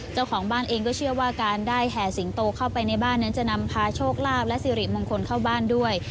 เจ้าของบ้านเองก็เชื่อว่าการได้แห่สิงโตเข้าไปในบ้านนั้นจะนำพาโชคลาภและสิริมงคลเข้าบ้านด้วย